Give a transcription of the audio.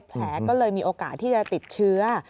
แผลก็เลยมีโอกาสที่จะติดเชื้อ